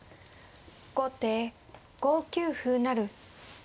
後手５九歩成。